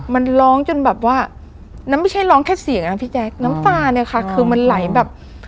มันร้องจนแบบว่ามันไม่ใช่ร้องแค่เสียงนะพี่แจ๊คน้ำตาเนี่ยค่ะคือมันไหลแบบ